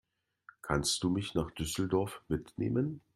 Kannst du mich nach Düsseldorf mitnehmen?